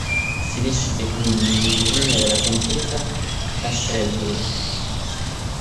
Si decide quindi di dirimere la contesa a Shrewsbury.